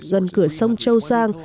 gần cửa sông châu giang